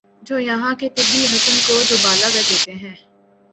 جو یہاں کے طبعی حسن کو دوبالا کر دیتے ہیں